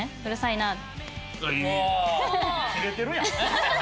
いやキレてるやん。